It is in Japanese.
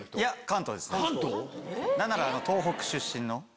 何なら東北出身の。